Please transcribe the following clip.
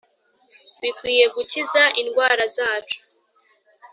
bikwiye gukiza indwara zacu